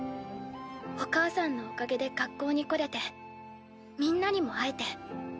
お母さんのおかげで学校に来れてみんなにも会えて。